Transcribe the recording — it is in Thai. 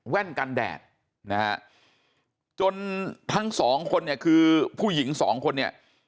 แว่นกันแดดนะฮะจนทั้งสองคนเนี่ยคือผู้หญิงสองคนเนี่ย